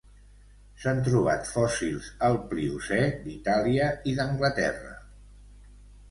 S'han trobat fòssils al Pliocè d'Itàlia i d'Anglaterra.